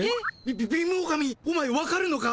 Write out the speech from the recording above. び貧乏神お前わかるのか？